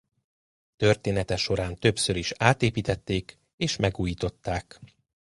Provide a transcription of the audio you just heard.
Története során többször is átépítették és megújították.